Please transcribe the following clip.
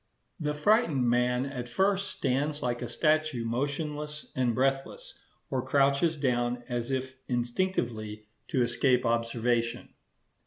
The frightened man at first stands like a statue motionless and breathless, or crouches down as if instinctively to escape observation.